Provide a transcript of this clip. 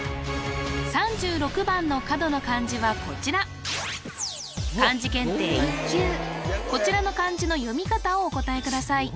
３６番の角の漢字はこちらこちらの漢字の読み方をお答えください